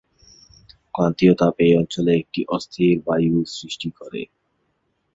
ক্রান্তীয় তাপ এই অঞ্চলে একটি অস্থির বায়ু সৃষ্টি করে।